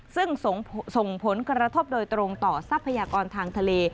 ซึ่งส่งผลกระทบโดยตรงต่อทรัพยากรทางทะเล